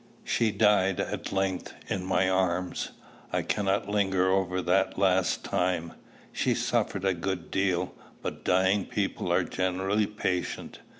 She died, at length, in my arms. I cannot linger over that last time. She suffered a good deal, but dying people are generally patient.